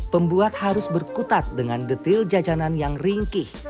pembuat harus berkutat dengan detail jajanan yang ringkih